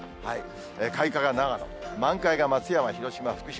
開花が長野、満開が松山、広島、福島。